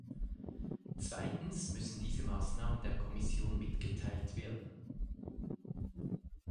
Zweitens müssen diese Maßnahmen der Kommission mitgeteilt werden.